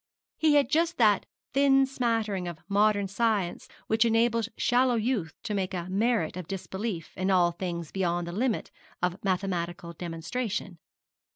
He had just that thin smattering of modern science which enables shallow youth to make a merit of disbelief in all things beyond the limit of mathematical demonstration.